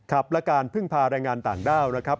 ครับและการพึ่งพาแรงงานต่างด้าวนะครับ